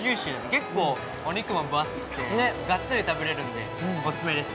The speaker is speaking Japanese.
結構お肉も分厚くてがっつり食べられるんでオススメです。